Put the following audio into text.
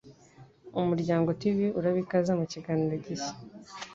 UmuryangoTV uraba ikaze mukiganiro gishya